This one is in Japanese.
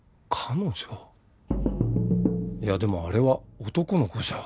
いやでもあれは男の子じゃ。